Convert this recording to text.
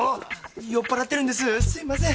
酔っ払ってるんですすみません！